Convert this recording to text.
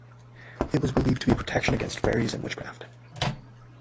It was believed to be a protection against fairies and witchcraft.